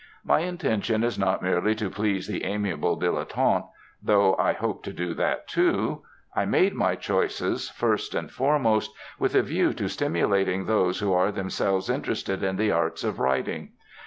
My intention is not merely to please the amiable dilettante, though I hope to do that too. I made my choices, first and foremost, with a view to stimulating those who are themselves interested in the arts of writing.